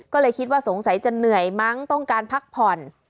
ก็เลยคิดว่าสงสัยจะเหนื่อยมั้งต้องการพักผ่อน